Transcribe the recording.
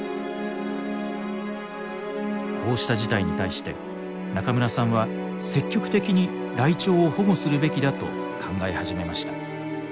こうした事態に対して中村さんは積極的にライチョウを保護するべきだと考え始めました。